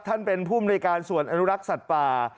ท่านเป็นผู้มนุยการส่วนอนุรักษ์สัตว์ป่า